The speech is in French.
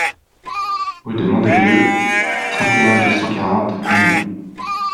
RUE DE MANDELIEU, trente et un, deux cent quarante L'Union